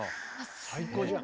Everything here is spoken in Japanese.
最高じゃん。